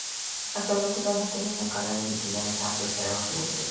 Actualmente Donatella se encarga de diseñar y Santo es el cerebro financiero.